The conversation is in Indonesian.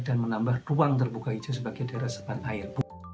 dan menambah ruang terbuka hijau sebagai daerah sepan air